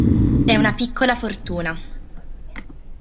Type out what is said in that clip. È una piccola fortuna!".